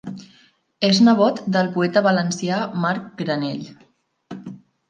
És nebot del poeta valencià Marc Granell.